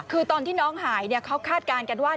คือตอนที่น้องหายเขาคาดการณ์กันว่า